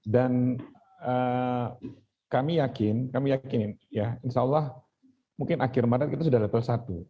dan kami yakin insya allah mungkin akhir maret kita sudah level satu